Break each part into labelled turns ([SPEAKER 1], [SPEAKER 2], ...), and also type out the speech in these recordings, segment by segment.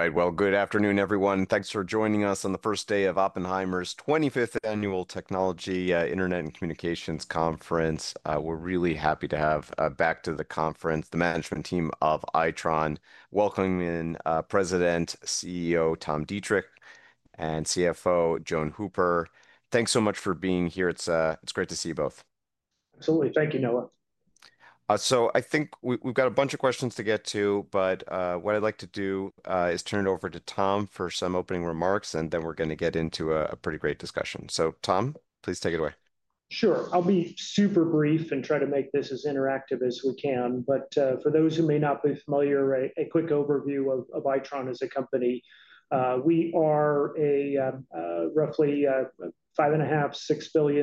[SPEAKER 1] All right, good afternoon, everyone. Thanks for joining us on the first day of Oppenheimer's 25th Annual Technology Internet and Communications Conference. We're really happy to have back to the conference the management team of Itron, welcoming in President, CEO Tom Deitrich, and CFO Joan Hooper. Thanks so much for being here. It's great to see you both.
[SPEAKER 2] Absolutely. Thank you, Noah.
[SPEAKER 1] I think we've got a bunch of questions to get to, but what I'd like to do is turn it over to Tom for some opening remarks, and then we're going to get into a pretty great discussion. Tom, please take it away.
[SPEAKER 2] Sure. I'll be super brief and try to make this as interactive as we can. For those who may not be familiar, a quick overview of Itron as a company. We are a roughly $5.5 billion,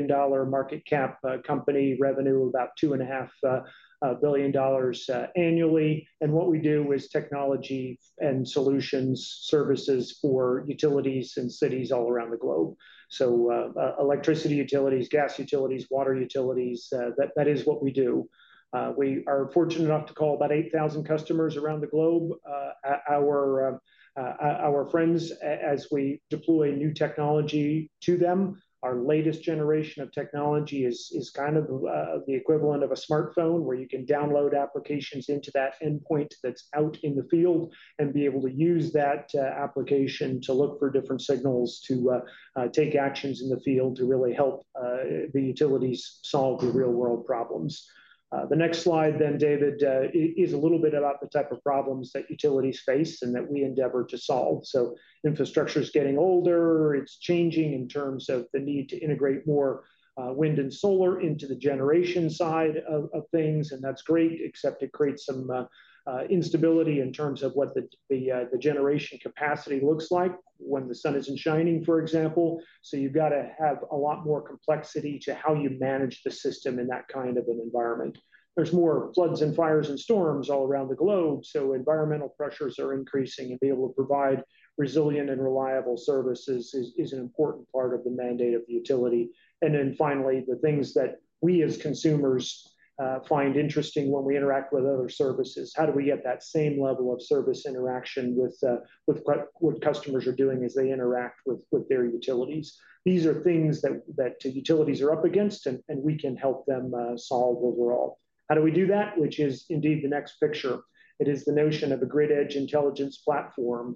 [SPEAKER 2] $6 billion market cap company, revenue about $2.5 billion annually. What we do is technology and solutions services for utilities and cities all around the globe. Electricity utilities, gas utilities, water utilities, that is what we do. We are fortunate enough to call about 8,000 customers around the globe our friends, as we deploy new technology to them. Our latest generation of technology is kind of the equivalent of a smartphone, where you can download applications into that endpoint that's out in the field and be able to use that application to look for different signals to take actions in the field to really help the utilities solve the real-world problems. The next slide then, David, is a little bit about the type of problems that utilities face and that we endeavor to solve. Infrastructure is getting older. It's changing in terms of the need to integrate more wind and solar into the generation side of things. That is great, except it creates some instability in terms of what the generation capacity looks like when the sun isn't shining, for example. You've got to have a lot more complexity to how you manage the system in that kind of an environment. There are more floods and fires and storms all around the globe. Environmental pressures are increasing, and being able to provide resilient and reliable services is an important part of the mandate of the utility. Finally, the things that we as consumers find interesting when we interact with other services, how do we get that same level of service interaction with what customers are doing as they interact with their utilities? These are things that utilities are up against, and we can help them solve overall. How do we do that? Which is indeed the next picture. It is the notion of a grid edge intelligence platform.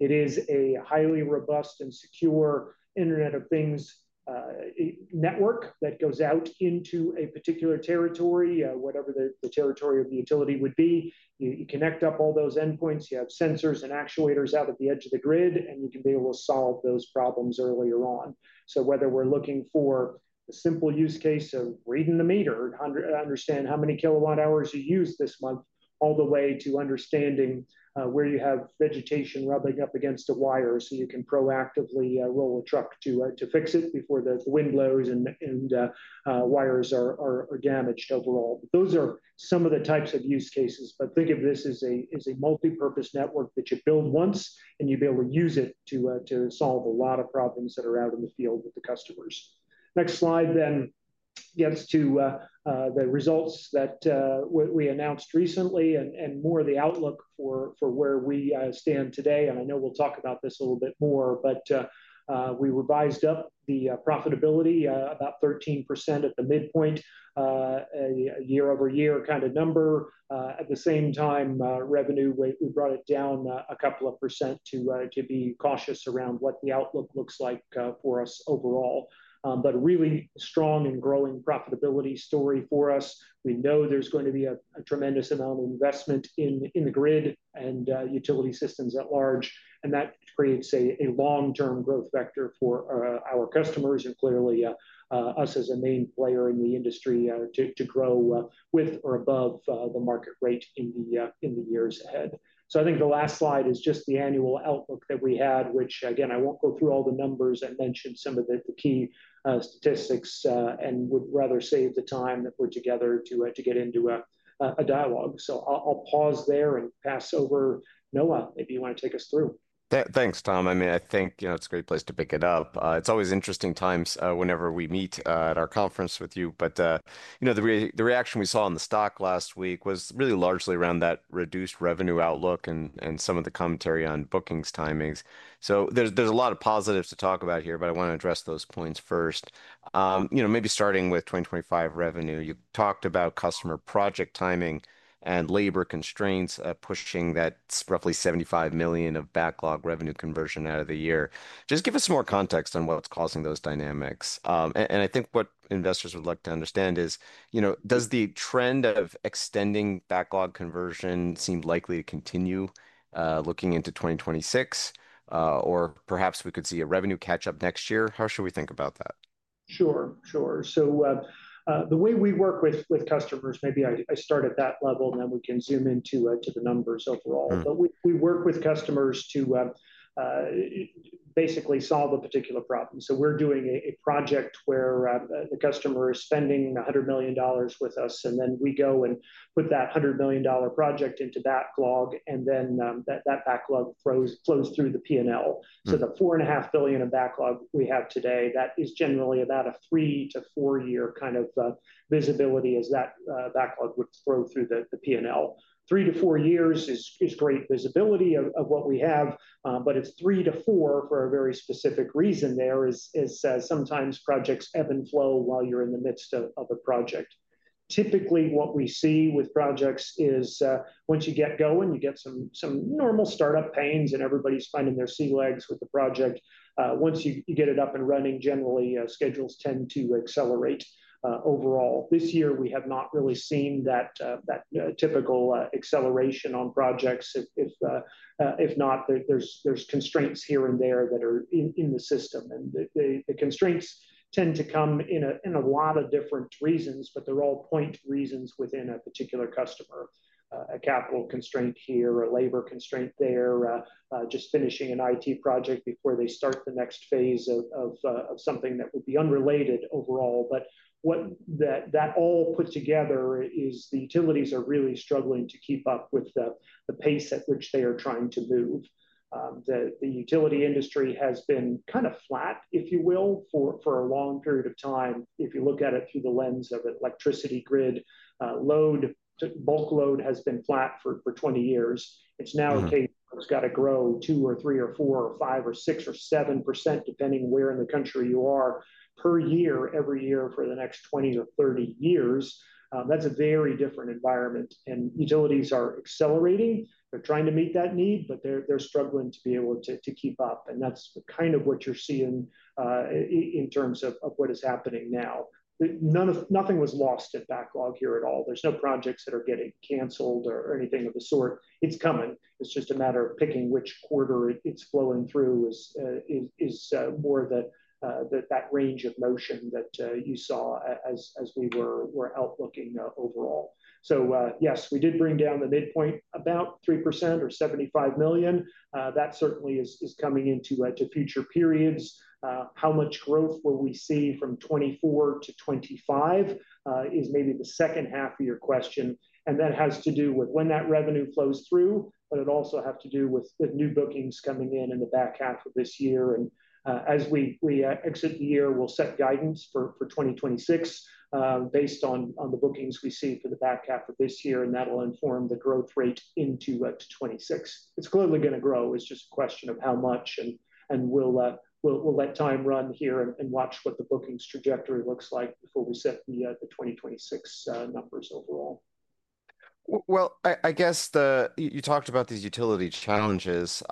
[SPEAKER 2] It is a highly robust and secure Internet of Things network that goes out into a particular territory, whatever the territory of the utility would be. You connect up all those endpoints. You have sensors and actuators out at the edge of the grid, and you can be able to solve those problems earlier on. Whether we're looking for a simple use case of reading the meter to understand how many kilowatt hours you used this month, all the way to understanding where you have vegetation rubbing up against a wire, you can proactively roll a truck to fix it before the wind blows and wires are damaged overall. Those are some of the types of use cases. Think of this as a multipurpose network that you build once, and you'll be able to use it to solve a lot of problems that are out in the field with the customers. The next slide then gets to the results that we announced recently and more of the outlook for where we stand today. I know we'll talk about this a little bit more, but we revised up the profitability about 13% at the midpoint, a year-over-year kind of number. At the same time, revenue, we brought it down a couple of percent to be cautious around what the outlook looks like for us overall. A really strong and growing profitability story for us. We know there's going to be a tremendous amount of investment in the grid and utility systems at large. That creates a long-term growth vector for our customers and clearly us as a main player in the industry to grow with or above the market rate in the years ahead. I think the last slide is just the annual outlook that we had, which, again, I won't go through all the numbers and mention some of the key statistics and would rather save the time that we're together to get into a dialogue. I'll pause there and pass over Noah. Maybe you want to take us through.
[SPEAKER 1] Thanks, Tom. I mean, I think it's a great place to pick it up. It's always interesting times whenever we meet at our conference with you. The reaction we saw in the stock last week was really largely around that reduced revenue outlook and some of the commentary on bookings timings. There are a lot of positives to talk about here, but I want to address those points first. Maybe starting with 2025 revenue, you talked about customer project timing and labor constraints pushing that roughly $75 million of backlog revenue conversion out of the year. Just give us some more context on what's causing those dynamics. I think what investors would like to understand is, does the trend of extending backlog conversion seem likely to continue looking into 2026? Perhaps we could see a revenue catch-up next year. How should we think about that?
[SPEAKER 2] Sure. The way we work with customers, maybe I start at that level, and then we can zoom into the numbers overall. We work with customers to basically solve a particular problem. We're doing a project where the customer is spending $100 million with us, and then we go and put that $100 million project into backlog, and then that backlog flows through the P&L. The $4.5 billion of backlog we have today is generally about a three to four-year kind of visibility as that backlog would flow through the P&L. Three to four years is great visibility of what we have, but it's three to four for a very specific reason. Sometimes projects ebb and flow while you're in the midst of a project. Typically, what we see with projects is once you get going, you get some normal startup pains, and everybody's finding their sea legs with the project. Once you get it up and running, generally, schedules tend to accelerate overall. This year, we have not really seen that typical acceleration on projects. If not, there are constraints here and there that are in the system. The constraints tend to come in a lot of different reasons, but they're all point reasons within a particular customer. A capital constraint here, a labor constraint there, just finishing an IT project before they start the next phase of something that will be unrelated overall. What that all puts together is the utilities are really struggling to keep up with the pace at which they are trying to move. The utility industry has been kind of flat, if you will, for a long period of time. If you look at it through the lens of an electricity grid, bulk load has been flat for 20 years. It's now a case that it's got to grow 2% or 3% or 4% or 5% or 6% or 7%, depending on where in the country you are, per year, every year for the next 20-30 years. That's a very different environment. Utilities are accelerating. They're trying to meet that need, but they're struggling to be able to keep up. That's kind of what you're seeing in terms of what is happening now. Nothing was lost in backlog here at all. There are no projects that are getting canceled or anything of the sort. It's coming. It's just a matter of picking which quarter it's flowing through, more that range of motion that you saw as we were outlooking overall. Yes, we did bring down the midpoint about 3% or $75 million. That certainly is coming into future periods. How much growth will we see from 2024 to 2025 is maybe the second half of your question. That has to do with when that revenue flows through, but it'll also have to do with new bookings coming in in the back half of this year. As we exit the year, we'll set guidance for 2026 based on the bookings we see for the back half of this year, and that'll inform the growth rate into 2026. It's clearly going to grow. It's just a question of how much. We'll let time run here and watch what the bookings trajectory looks like before we set the 2026 numbers overall.
[SPEAKER 1] You talked about these utility challenges.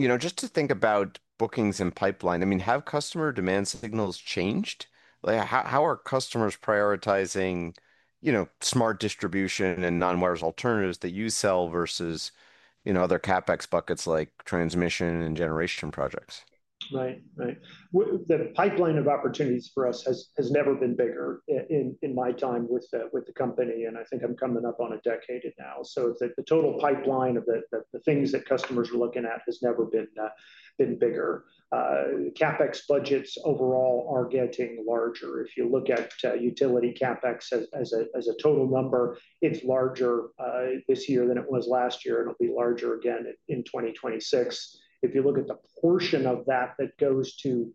[SPEAKER 1] Just to think about bookings and pipeline, have customer demand signals changed? How are customers prioritizing smart distribution and non-wireless alternatives that you sell versus other CapEx buckets like transmission and generation projects?
[SPEAKER 2] Right, right. The pipeline of opportunities for us has never been bigger in my time with the company. I think I'm coming up on a decade now. The total pipeline of the things that customers are looking at has never been bigger. CapEx budgets overall are getting larger. If you look at utility CapEx as a total number, it's larger this year than it was last year, and it'll be larger again in 2026. If you look at the portion of that that goes to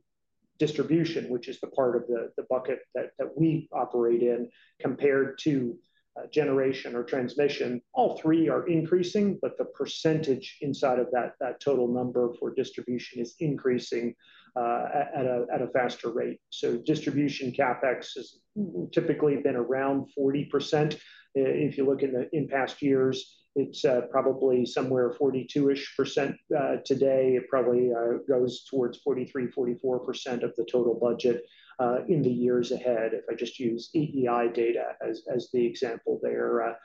[SPEAKER 2] distribution, which is the part of the bucket that we operate in, compared to generation or transmission, all three are increasing, but the percentage inside of that total number for distribution is increasing at a faster rate. Distribution CapEx has typically been around 40%. If you look in the past years, it's probably somewhere 42% today. It probably goes towards 43%, 44% of the total budget in the years ahead. I just use EEI data as the example there.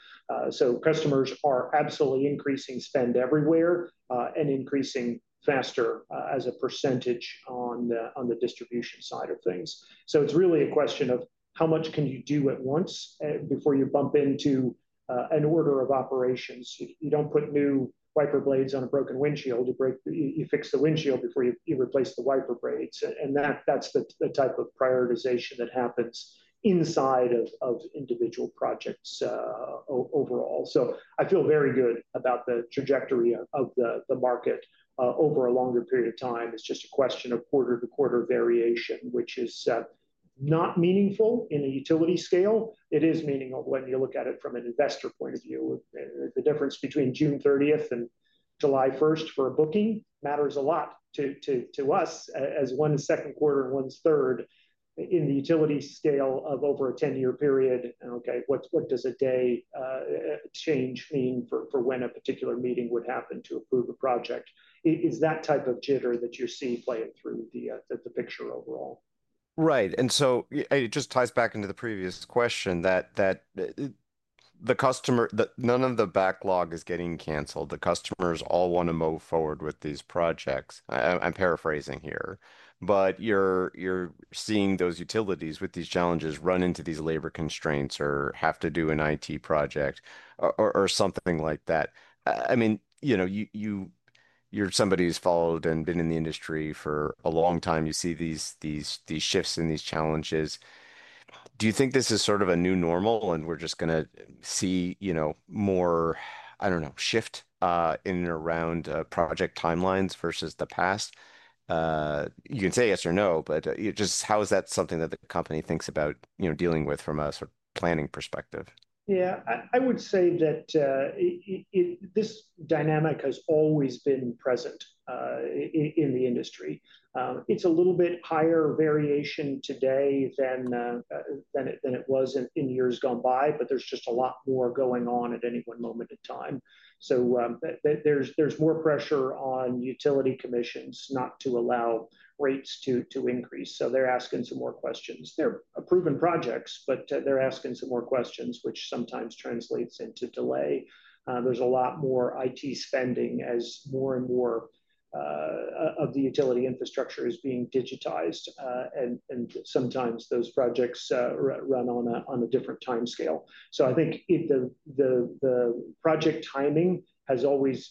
[SPEAKER 2] Customers are absolutely increasing spend everywhere and increasing faster as a percentage on the distribution side of things. It's really a question of how much can you do at once before you bump into an order of operations. You don't put new wiper blades on a broken windshield. You fix the windshield before you replace the wiper blades. That's the type of prioritization that happens inside of individual projects overall. I feel very good about the trajectory of the market over a longer period of time. It's just a question of quarter-to-quarter variation, which is not meaningful in a utility scale. It is meaningful when you look at it from an investor point of view. The difference between June 30 and July 1 for a booking matters a lot to us as one's second quarter and one's third in the utility scale of over a 10-year period. What does a day change mean for when a particular meeting would happen to approve a project? It's that type of jitter that you see playing through the picture overall.
[SPEAKER 1] Right. It just ties back into the previous question that none of the backlog is getting canceled. The customers all want to move forward with these projects. I'm paraphrasing here, but you're seeing those utilities with these challenges run into these labor constraints or have to do an IT project or something like that. I mean, you're somebody who's followed and been in the industry for a long time. You see these shifts and these challenges. Do you think this is sort of a new normal and we're just going to see more, I don't know, shift in and around project timelines versus the past? You can say yes or no, but just how is that something that the company thinks about dealing with from a planning perspective?
[SPEAKER 2] Yeah, I would say that this dynamic has always been present in the industry. It's a little bit higher variation today than it was in years gone by, but there's just a lot more going on at any one moment in time. There's more pressure on utility commissions not to allow rates to increase. They're asking some more questions. They're approving projects, but they're asking some more questions, which sometimes translates into delay. There's a lot more IT spending as more and more of the utility infrastructure is being digitized. Sometimes those projects run on a different timescale. I think the project timing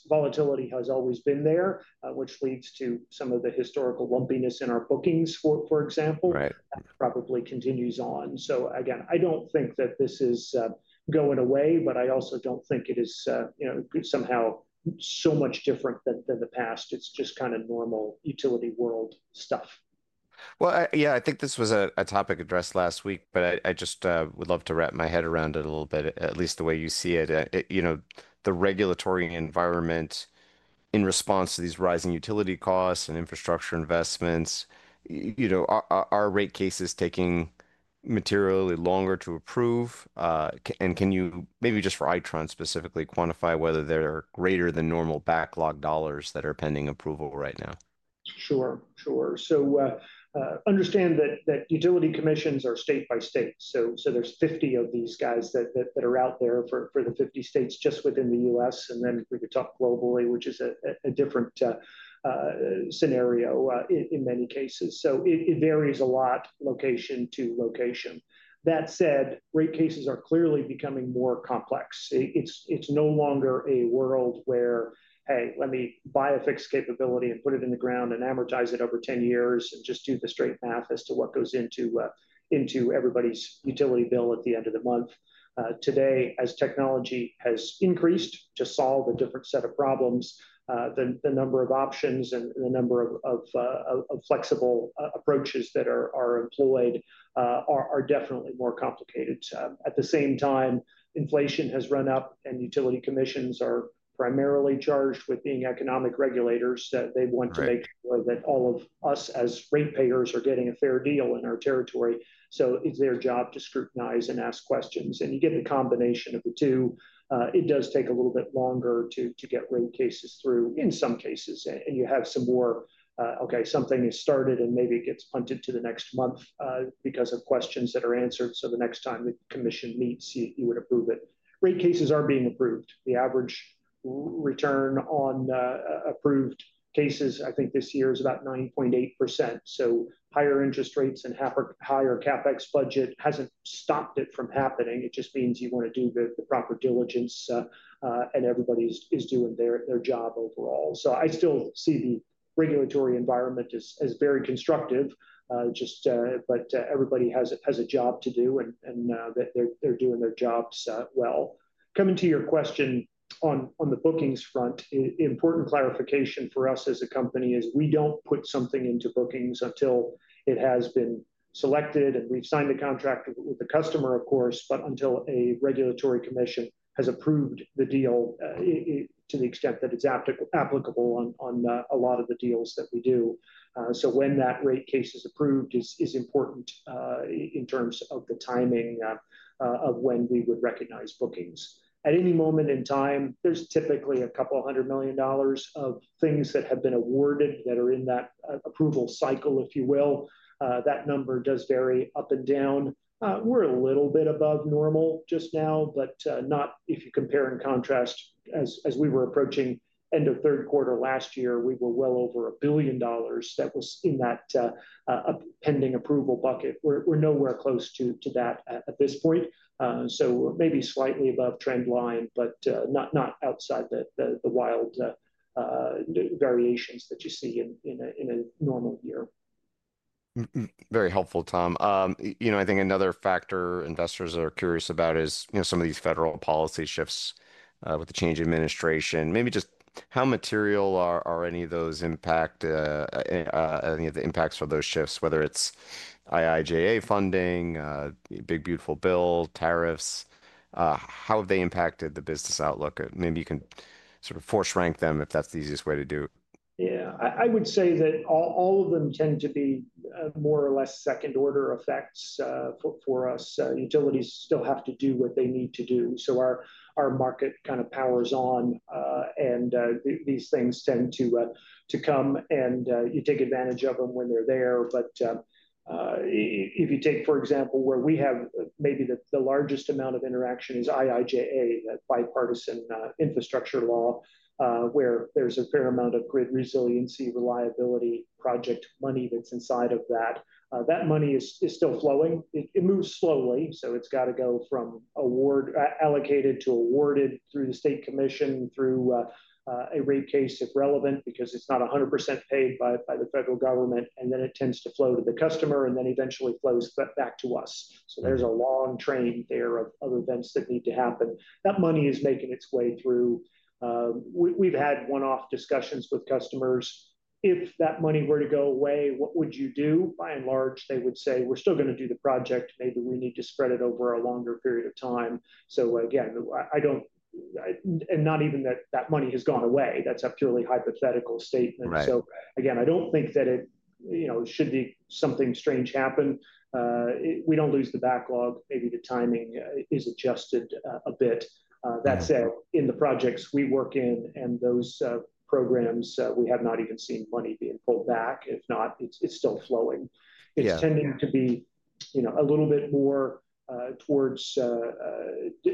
[SPEAKER 2] volatility has always been there, which leads to some of the historical lumpiness in our bookings, for example. That probably continues on. I don't think that this is going away, but I also don't think it is somehow so much different than the past. It's just kind of normal utility world stuff.
[SPEAKER 1] I think this was a topic addressed last week, but I just would love to wrap my head around it a little bit, at least the way you see it. You know, the regulatory environment in response to these rising utility costs and infrastructure investments, are rate cases taking materially longer to approve? Can you maybe just for Itron specifically quantify whether they're greater than normal backlog dollars that are pending approval right now?
[SPEAKER 2] Sure, sure. Understand that utility commissions are state by state. There are 50 of these guys that are out there for the 50 states just within the U.S. We could talk globally, which is a different scenario in many cases. It varies a lot location to location. That said, rate cases are clearly becoming more complex. It's no longer a world where, hey, let me buy a fixed capability and put it in the ground and amortize it over 10 years and just do the straight math as to what goes into everybody's utility bill at the end of the month. Today, as technology has increased to solve a different set of problems, the number of options and the number of flexible approaches that are employed are definitely more complicated. At the same time, inflation has run up, and utility commissions are primarily charged with being economic regulators. They want to make sure that all of us as rate payers are getting a fair deal in our territory. It's their job to scrutinize and ask questions. You get a combination of the two. It does take a little bit longer to get rate cases through in some cases. You have some more, OK, something is started, and maybe it gets punted to the next month because of questions that are answered. The next time the commission meets, you would approve it. Rate cases are being approved. The average return on approved cases, I think, this year is about 9.8%. Higher interest rates and a higher CapEx budget hasn't stopped it from happening. It just means you want to do the proper diligence, and everybody is doing their job overall. I still see the regulatory environment as very constructive, just everybody has a job to do, and they're doing their jobs well. Coming to your question on the bookings front, important clarification for us as a company is we don't put something into bookings until it has been selected, and we've signed the contract with the customer, of course, but until a regulatory commission has approved the deal to the extent that it's applicable on a lot of the deals that we do. When that rate case is approved is important in terms of the timing of when we would recognize bookings. At any moment in time, there's typically a couple hundred million dollars of things that have been awarded that are in that approval cycle, if you will. That number does vary up and down. We're a little bit above normal just now, but not if you compare and contrast. As we were approaching the end of third quarter last year, we were well over $1 billion that was in that pending approval bucket. We're nowhere close to that at this point. Maybe slightly above trend line, but not outside the wild variations that you see in a normal year.
[SPEAKER 1] Very helpful, Tom. I think another factor investors are curious about is some of these federal policy shifts with the change in administration. Maybe just how material are any of those impacts, any of the impacts for those shifts, whether it's IIJA funding, Big Beautiful Bill, tariffs, how have they impacted the business outlook? Maybe you can sort of force-rank them if that's the easiest way to do it.
[SPEAKER 2] Yeah, I would say that all of them tend to be more or less second-order effects for us. Utilities still have to do what they need to do. Our market kind of powers on, and these things tend to come, and you take advantage of them when they're there. For example, where we have maybe the largest amount of interaction is IIJA, that bipartisan infrastructure law, where there's a fair amount of grid resiliency, reliability, project money that's inside of that. That money is still flowing. It moves slowly. It's got to go from award allocated to awarded through the state commission, through a rate case if relevant, because it's not 100% paid by the federal government. It tends to flow to the customer, and then eventually flows back to us. There's a long train there of events that need to happen. That money is making its way through. We've had one-off discussions with customers. If that money were to go away, what would you do? By and large, they would say we're still going to do the project. Maybe we need to spread it over a longer period of time. I don't think that it should be something strange happen. We don't lose the backlog. Maybe the timing is adjusted a bit. In the projects we work in and those programs, we have not even seen money being pulled back. If not, it's still flowing. It's tending to be a little bit more towards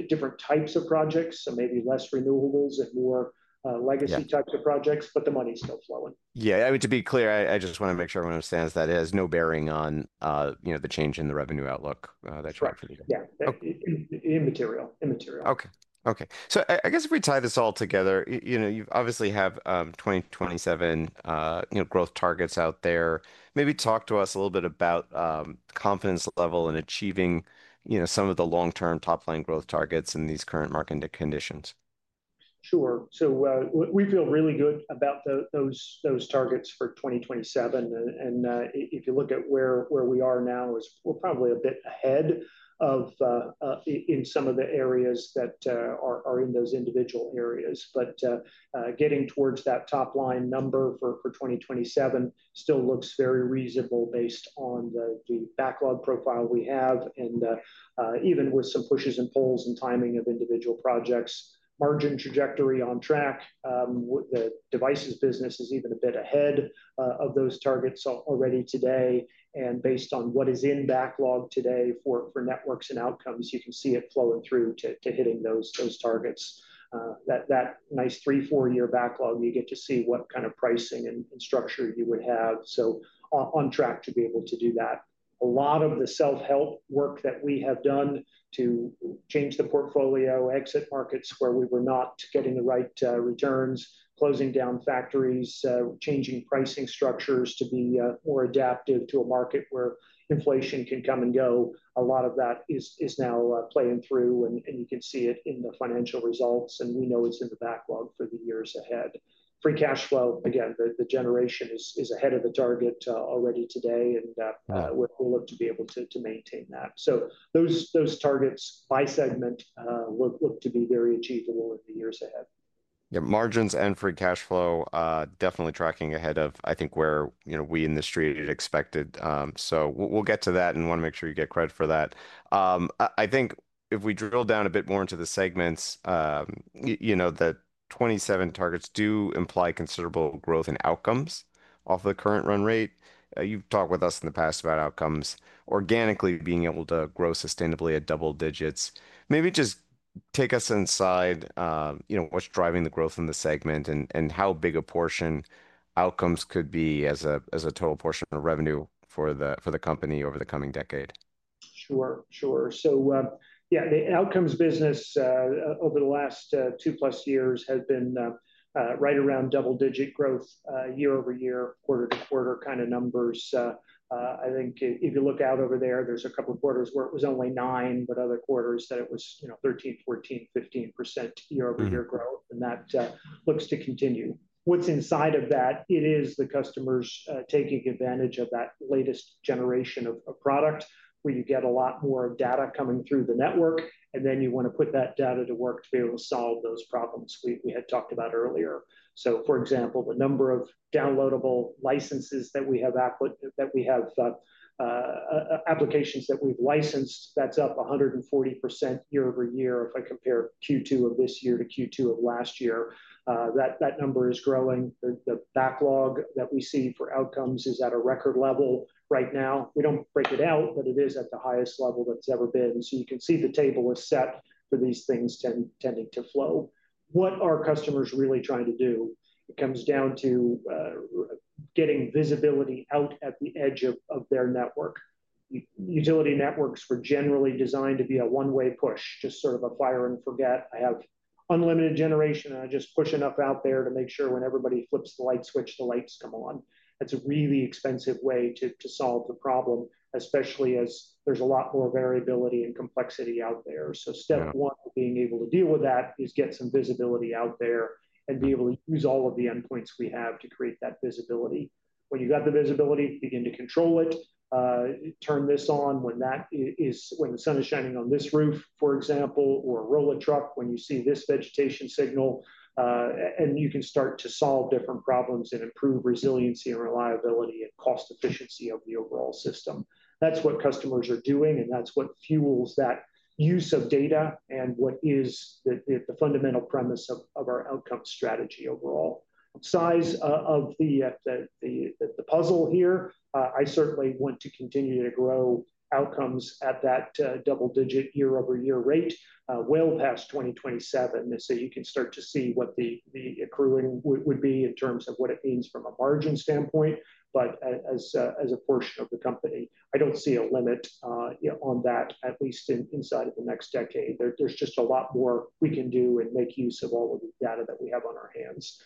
[SPEAKER 2] different types of projects, so maybe less renewables and more legacy types of projects, but the money is still flowing.
[SPEAKER 1] Yeah, I mean, to be clear, I just want to make sure everyone understands that it has no bearing on the change in the revenue outlook. That's right for you.
[SPEAKER 2] Yeah, immaterial.
[SPEAKER 1] OK. If we tie this all together, you obviously have 2027 growth targets out there. Maybe talk to us a little bit about the confidence level in achieving some of the long-term top-line growth targets in these current market conditions.
[SPEAKER 2] Sure. We feel really good about those targets for 2027. If you look at where we are now, we're probably a bit ahead in some of the areas that are in those individual areas. Getting towards that top-line number for 2027 still looks very reasonable based on the backlog profile we have. Even with some pushes and pulls and timing of individual projects, margin trajectory is on track. The devices business is even a bit ahead of those targets already today. Based on what is in backlog today for networks and outcomes, you can see it flow through to hitting those targets. That nice three, four-year backlog lets you see what kind of pricing and structure you would have. We are on track to be able to do that. A lot of the self-help work that we have done to change the portfolio, exit markets where we were not getting the right returns, closing down factories, changing pricing structures to be more adaptive to a market where inflation can come and go, a lot of that is now playing through. You can see it in the financial results. We know it's in the backlog for the years ahead. Free cash flow generation is ahead of the target already today. We will look to be able to maintain that. Those targets by segment look to be very achievable in the years ahead.
[SPEAKER 1] Margins and free cash flow definitely tracking ahead of, I think, where we in the industry expected. We'll get to that and want to make sure you get credit for that. I think if we drill down a bit more into the segments, the 2027 targets do imply considerable growth in Outcomes off the current run rate. You've talked with us in the past about Outcomes organically being able to grow sustainably at double digits. Maybe just take us inside what's driving the growth in the segment and how big a portion Outcomes could be as a total portion of revenue for the company over the coming decade.
[SPEAKER 2] Sure, sure. The Outcomes segment over the last two-plus years has been right around double-digit growth year-over-year, quarter-to-quarter kind of numbers. I think if you look out over there, there's a couple of quarters where it was only 9%, but other quarters that it was 13%, 14%, 15% year-over-year growth. That looks to continue. What's inside of that is the customers taking advantage of that latest generation of product where you get a lot more data coming through the network. You want to put that data to work to be able to solve those problems we had talked about earlier. For example, the number of downloadable licenses that we have, applications that we've licensed, that's up 140% year-over-year if I compare Q2 of this year to Q2 of last year. That number is growing. The backlog that we see for Outcomes is at a record level right now. We don't break it out, but it is at the highest level that's ever been. You can see the table is set for these things tending to flow. What are customers really trying to do? It comes down to getting visibility out at the edge of their network. Utility networks were generally designed to be a one-way push, just sort of a fire and forget. I have unlimited generation, and I just push enough out there to make sure when everybody flips the light switch, the lights come on. That's a really expensive way to solve the problem, especially as there's a lot more variability and complexity out there. Step one in being able to deal with that is get some visibility out there and be able to use all of the endpoints we have to create that visibility. When you've got the visibility, you begin to control it. Turn this on when the sun is shining on this roof, for example, or a roller truck when you see this vegetation signal. You can start to solve different problems and improve resiliency and reliability and cost efficiency of the overall system. That's what customers are doing, and that's what fuels that use of data and what is the fundamental premise of our Outcomes strategy overall. Size of the puzzle here, I certainly want to continue to grow Outcomes at that double-digit year-over-year rate well past 2027. You can start to see what the accruing would be in terms of what it means from a margin standpoint. As a portion of the company, I don't see a limit on that, at least inside of the next decade. There's just a lot more we can do and make use of all of the data that we have on our hands.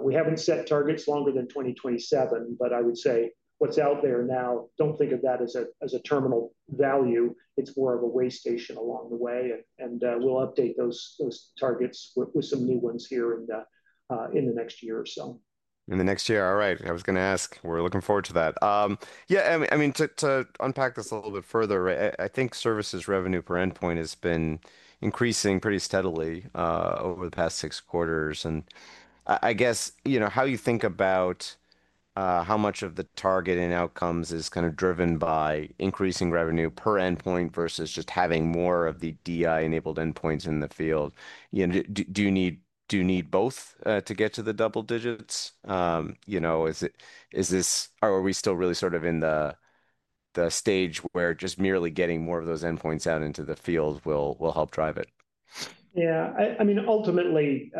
[SPEAKER 2] We haven't set targets longer than 2027, but I would say what's out there now, don't think of that as a terminal value. It's more of a way station along the way, and we'll update those targets with some new ones here in the next year or so.
[SPEAKER 1] In the next year. All right. I was going to ask. We're looking forward to that. Yeah, I mean, to unpack this a little bit further, I think services revenue per endpoint has been increasing pretty steadily over the past six quarters. I guess how you think about how much of the target in Outcomes is kind of driven by increasing revenue per endpoint versus just having more of the DI-capable endpoints in the field. Do you need both to get to the double digits? Are we still really sort of in the stage where just merely getting more of those endpoints out into the field will help drive it?
[SPEAKER 2] Yeah, I mean, ultimately,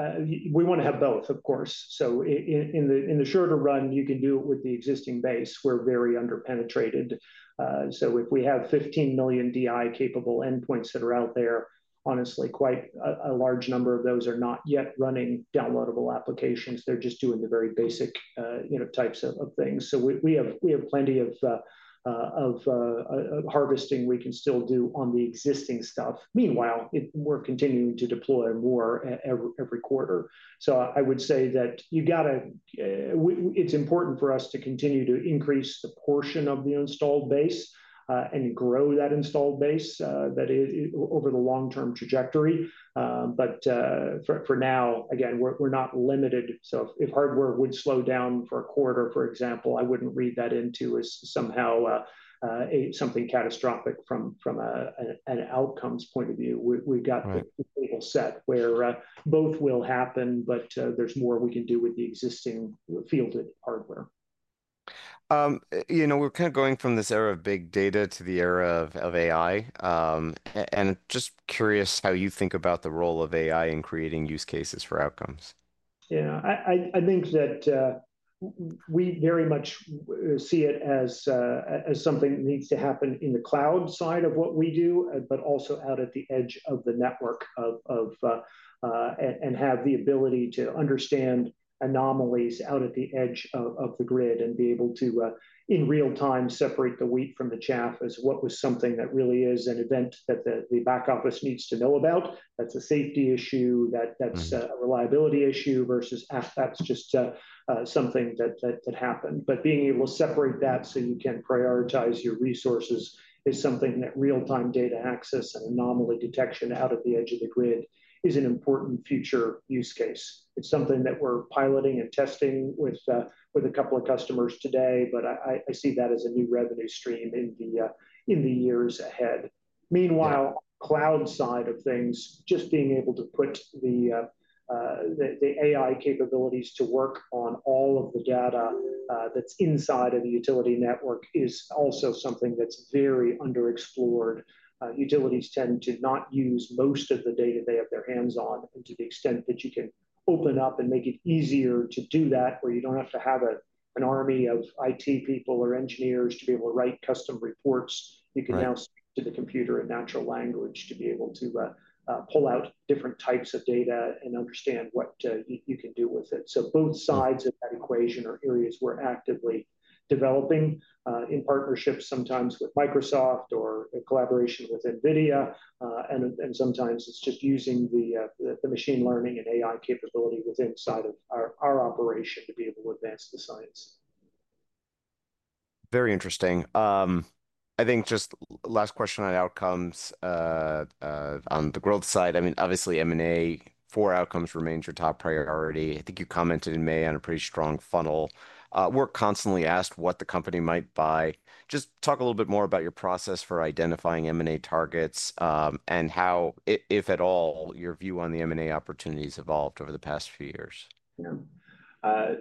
[SPEAKER 2] we want to have both, of course. In the shorter run, you can do it with the existing base. We're very underpenetrated. If we have 15 million DI-capable endpoints that are out there, honestly, quite a large number of those are not yet running downloadable applications. They're just doing the very basic types of things. We have plenty of harvesting we can still do on the existing stuff. Meanwhile, we're continuing to deploy more every quarter. I would say that it's important for us to continue to increase the portion of the installed base and grow that installed base over the long-term trajectory. For now, again, we're not limited. If hardware would slow down for a quarter, for example, I wouldn't read that into as somehow something catastrophic from an outcomes point of view. We've got the total set where both will happen, but there's more we can do with the existing field hardware.
[SPEAKER 1] We're kind of going from this era of big data to the era of AI. I'm just curious how you think about the role of AI in creating use cases for outcomes.
[SPEAKER 2] Yeah, I think that we very much see it as something that needs to happen in the cloud side of what we do, but also out at the edge of the network and have the ability to understand anomalies out at the edge of the grid and be able to, in real time, separate the wheat from the chaff as what was something that really is an event that the back office needs to know about. That's a safety issue. That's a reliability issue versus that's just something that happened. Being able to separate that so you can prioritize your resources is something that real-time data access and anomaly detection out at the edge of the grid is an important future use case. It's something that we're piloting and testing with a couple of customers today. I see that as a new revenue stream in the years ahead. Meanwhile, cloud side of things, just being able to put the AI capabilities to work on all of the data that's inside of the utility network is also something that's very underexplored. Utilities tend to not use most of the data they have their hands on. To the extent that you can open up and make it easier to do that, where you don't have to have an army of IT people or engineers to be able to write custom reports, you can now speak to the computer in natural language to be able to pull out different types of data and understand what you can do with it. Both sides of that equation are areas we're actively developing in partnership sometimes with Microsoft or in collaboration with NVIDIA. Sometimes it's just using the machine learning and AI capability within the side of our operation to be able to advance the science.
[SPEAKER 1] Very interesting. I think just last question on Outcomes on the growth side. I mean, obviously, M&A for Outcomes remains your top priority. I think you commented in May on a pretty strong funnel. We're constantly asked what the company might buy. Just talk a little bit more about your process for identifying M&A targets and how, if at all, your view on the M&A opportunities evolved over the past few years.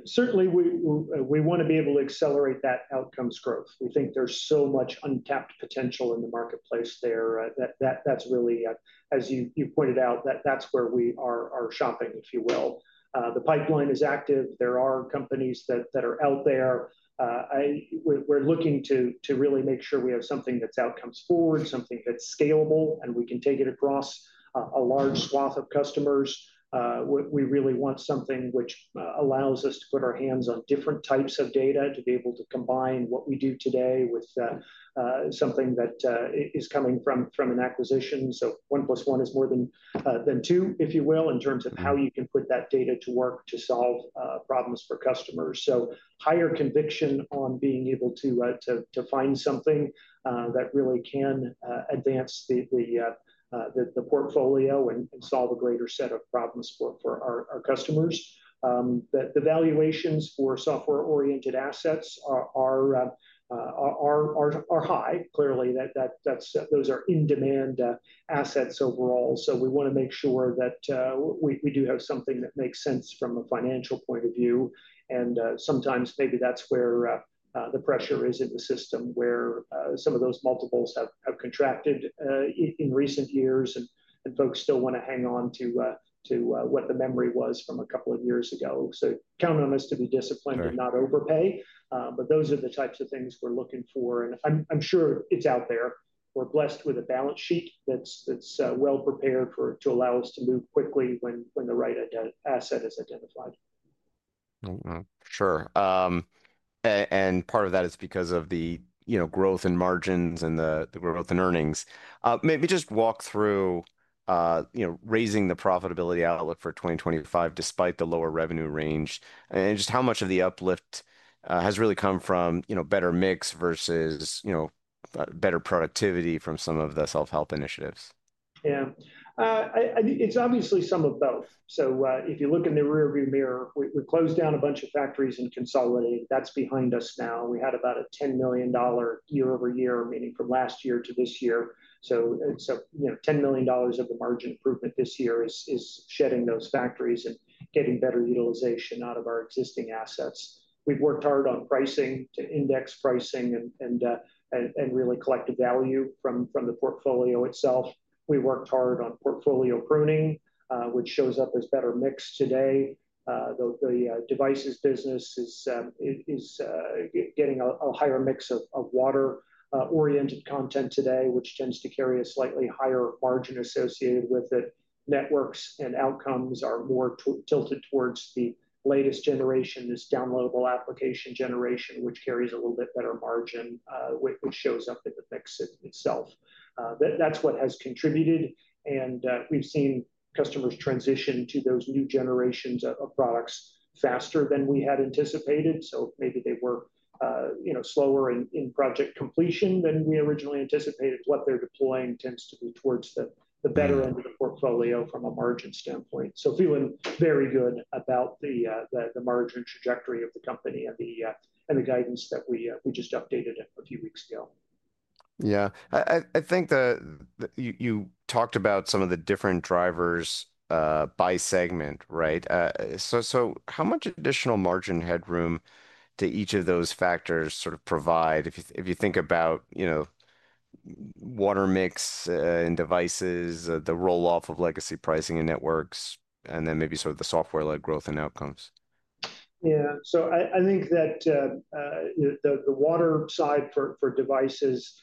[SPEAKER 2] Certainly, we want to be able to accelerate that Outcomes segment growth. We think there's so much untapped potential in the marketplace there that that's really, as you pointed out, that's where we are shopping, if you will. The pipeline is active. There are companies that are out there. We're looking to really make sure we have something that's outcomes forward, something that's scalable, and we can take it across a large swath of customers. We really want something which allows us to put our hands on different types of data to be able to combine what we do today with something that is coming from an acquisition. One plus one is more than two, if you will, in terms of how you can put that data to work to solve problems for customers. Higher conviction on being able to find something that really can advance the portfolio and solve a greater set of problems for our customers. The valuations for software-oriented assets are high. Clearly, those are in-demand assets overall. We want to make sure that we do have something that makes sense from a financial point of view. Sometimes maybe that's where the pressure is in the system, where some of those multiples have contracted in recent years, and folks still want to hang on to what the memory was from a couple of years ago. Count on us to be disciplined and not overpay. Those are the types of things we're looking for. I'm sure it's out there. We're blessed with a balance sheet that's well prepared to allow us to move quickly when the right asset is identified.
[SPEAKER 1] Sure. Part of that is because of the growth in margins and the growth in earnings. Maybe just walk through raising the profitability outlook for 2025 despite the lower revenue range, and just how much of the uplift has really come from better mix versus better productivity from some of the self-help initiatives.
[SPEAKER 2] Yeah, it's obviously some of both. If you look in the rearview mirror, we closed down a bunch of factories and consolidated. That's behind us now. We had about a $10 million year-over-year, meaning from last year to this year. $10 million of a margin improvement this year is shedding those factories and getting better utilization out of our existing assets. We've worked hard on pricing to index pricing and really collect value from the portfolio itself. We worked hard on portfolio pruning, which shows up as better mix today. The devices business is getting a higher mix of water-oriented content today, which tends to carry a slightly higher margin associated with it. Networks and Outcomes are more tilted towards the latest generation, this downloadable application generation, which carries a little bit better margin, which shows up in the mix itself. That has contributed. We've seen customers transition to those new generations of products faster than we had anticipated. Maybe they were slower in project completion than we originally anticipated. What they're deploying tends to be towards the better end of the portfolio from a margin standpoint. Feeling very good about the margin trajectory of the company and the guidance that we just updated a few weeks ago.
[SPEAKER 1] I think you talked about some of the different drivers by segment, right? How much additional margin headroom do each of those factors sort of provide if you think about water mix and devices, the rolloff of legacy pricing in networks, and then maybe sort of the software-led growth and Outcomes?
[SPEAKER 2] Yeah, I think that the water side for devices,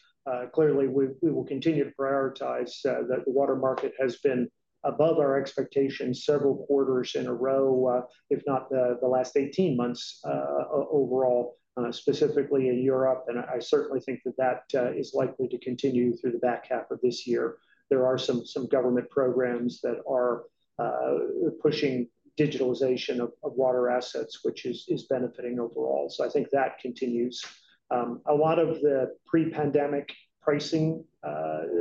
[SPEAKER 2] clearly, we will continue to prioritize that. The water market has been above our expectations several quarters in a row, if not the last 18 months overall, specifically in Europe. I certainly think that is likely to continue through the back half of this year. There are some government programs that are pushing digitalization of water assets, which is benefiting overall. I think that continues. A lot of the pre-pandemic pricing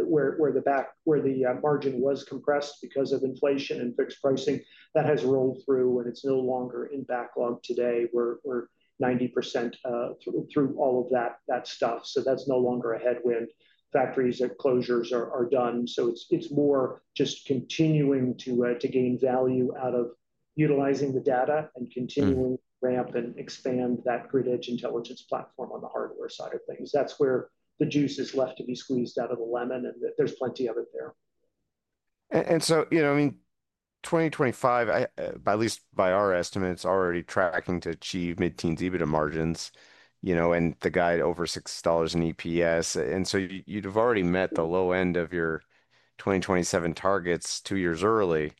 [SPEAKER 2] where the margin was compressed because of inflation and fixed pricing, that has rolled through, and it's no longer in backlog today. We're 90% through all of that stuff. That's no longer a headwind. Factory closures are done. It's more just continuing to gain value out of utilizing the data and continuing to ramp and expand that grid edge intelligence platform on the hardware side of things. That's where the juice is left to be squeezed out of the lemon, and there's plenty of it there.
[SPEAKER 1] You know, 2025, at least by our estimates, is already tracking to achieve mid-teens EBITDA margins and to guide over $6 in EPS. You'd have already met the low end of your 2027 targets two years early.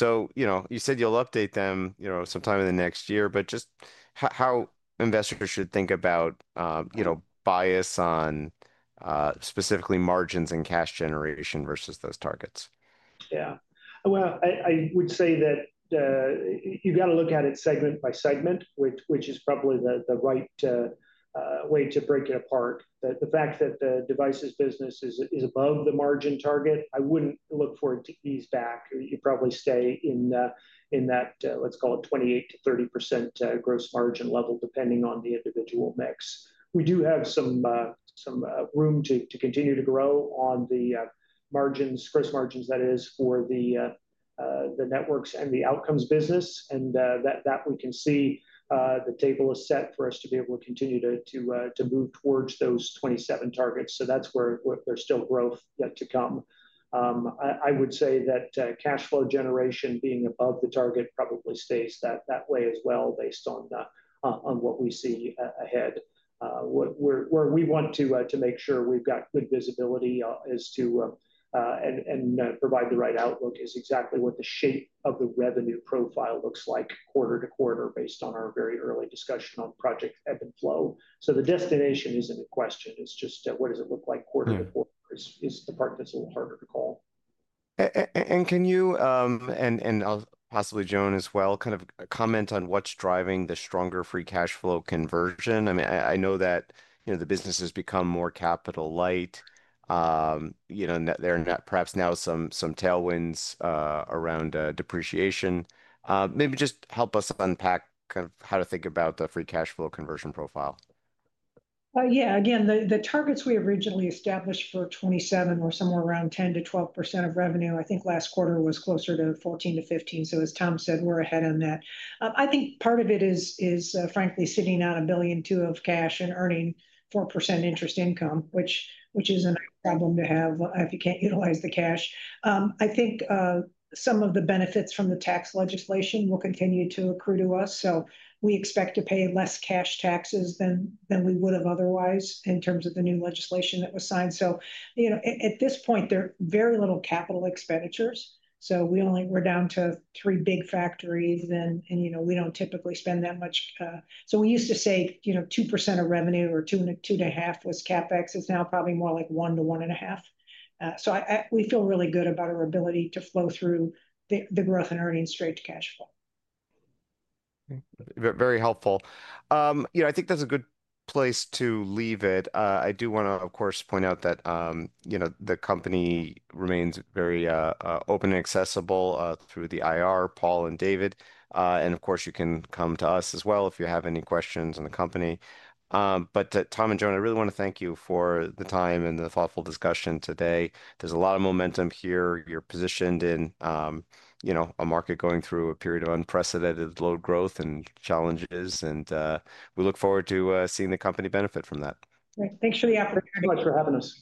[SPEAKER 1] You said you'll update them sometime in the next year, but just how investors should think about bias on specifically margins and cash generation versus those targets?
[SPEAKER 2] Yeah, I would say that you've got to look at it segment by segment, which is probably the right way to break it apart. The fact that the devices business is above the margin target, I wouldn't look for it to ease back. You'd probably stay in that, let's call it 28%-30% gross margin level, depending on the individual mix. We do have some room to continue to grow on the margins, first margins that is, for the networks and the Outcomes segment. The table is set for us to be able to continue to move towards those 2027 targets. That's where there's still growth yet to come. I would say that cash flow generation being above the target probably stays that way as well, based on what we see ahead. Where we want to make sure we've got good visibility and provide the right outlook is exactly what the shape of the revenue profile looks like quarter-to-quarter, based on our very early discussion on project EBIT flow. The destination isn't a question. It's just what does it look like quarter-to-quarter is the part that's a little harder to call.
[SPEAKER 1] Can you, and possibly Joan as well, comment on what's driving the stronger free cash flow conversion? I know that the business has become more capital light. There are perhaps now some tailwinds around depreciation. Maybe just help us unpack how to think about the free cash flow conversion profile.
[SPEAKER 3] Yeah, again, the targets we originally established for 2027 were somewhere around 10%-12% of revenue. I think last quarter was closer to 14%-15%. As Tom said, we're ahead on that. I think part of it is, frankly, sitting out $1.2 billion of cash and earning 4% interest income, which isn't a problem to have if you can't utilize the cash. I think some of the benefits from the tax legislation will continue to accrue to us. We expect to pay less cash taxes than we would have otherwise in terms of the new legislation that was signed. At this point, there are very little capital expenditures. We're down to three big factories, and we don't typically spend that much. We used to say 2% of revenue or 2.5% was CapEx. It's now probably more like 1%-1.5%.We feel really good about our ability to flow through the growth and earnings straight to cash flow.
[SPEAKER 1] Very helpful. I think that's a good place to leave it. I do want to, of course, point out that the company remains very open and accessible through the IR, Paul and David. Of course, you can come to us as well if you have any questions on the company. Tom and Joan, I really want to thank you for the time and the thoughtful discussion today. There's a lot of momentum here. You're positioned in a market going through a period of unprecedented low growth and challenges. We look forward to seeing the company benefit from that.
[SPEAKER 2] Thanks for the opportunity. Thank you so much for having us.